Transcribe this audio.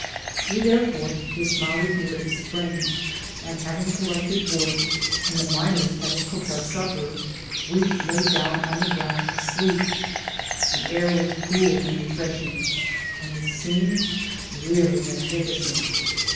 We therefore dismounted Digitized byGoogk 150 PASSAGE ACROSS near a spring, and having collected wood, and the miners having cooked our suppyer, we lay down on the ground to sleep. The air was cool and refresh ing, and the scene really magnificent.